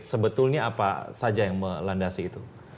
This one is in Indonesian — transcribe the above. sebetulnya apa saja yang melandasi itu